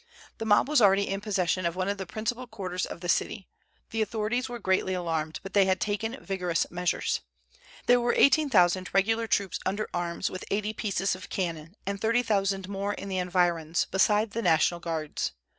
The mob was already in possession of one of the principal quarters of the city. The authorities were greatly alarmed, but they had taken vigorous measures. There were eighteen thousand regular troops under arms with eighty pieces of cannon, and thirty thousand more in the environs, besides the National Guards.